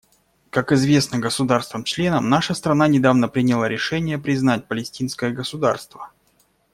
Как известно государствам-членам, наша страна недавно приняла решение признать палестинское государство.